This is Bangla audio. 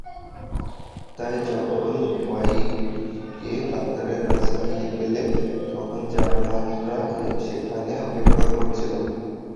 তাই যখন রয়কে ডাক্তারের কাছে নিয়ে গেলে, তখন জার্মানরা সেখানে অপেক্ষা করছিল।